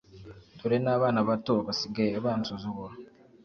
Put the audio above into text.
dore n'abana bato basigaye bansuzugura